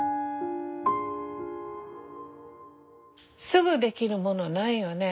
すぐ出来るものないよね。